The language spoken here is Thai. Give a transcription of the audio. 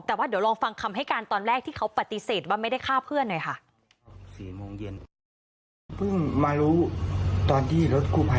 แต่ว่าเดี๋ยวลองฟังคำให้การตอนแรกที่เขาปฏิเสธว่าไม่ได้ฆ่าเพื่อนหน่อยค่ะ